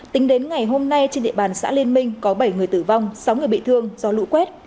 tính đến ngày hôm nay trên địa bàn xã liên minh có bảy người tử vong sáu người bị thương do lũ quét